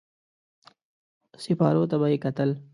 سېپارو ته به يې کتل.